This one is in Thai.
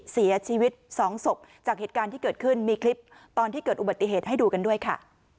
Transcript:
เสียชีวิตสองศพจากเหตุการณ์ที่เกิดขึ้นมีคลิปตอนที่เกิดอุบัติเหตุให้ดูกันด้วยค่ะ